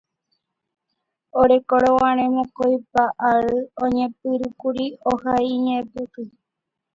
Orekórõguare mokõipa ary oñepyrũkuri ohai iñe'ẽpoty